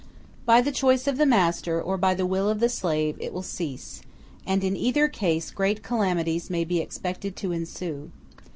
By the choice of the master, or by the will of the slave, it will cease; and in either case great calamities may be expected to ensue.